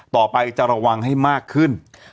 ต่อไปจะระวังให้มากขึ้น